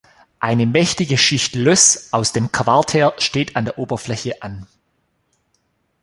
Eine mächtige Schicht Löss aus dem Quartär steht an der Oberfläche an.